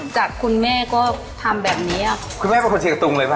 จากคุณแม่ก็ทำแบบนี้อ่ะคุณแม่เป็นคนเชียงตุงเลยป่